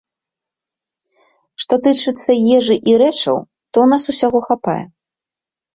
Што тычыцца ежы і рэчаў, то ў нас усяго хапае.